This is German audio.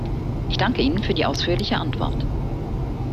Ich danke Ihnen für die ausführliche Antwort.